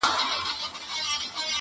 غواړي پاچا د نوي نوي هنرونو کیسې،